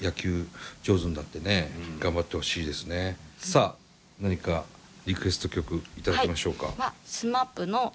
さあ何かリクエスト曲頂きましょうか。